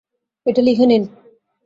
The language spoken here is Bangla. এটা লিখে নিন।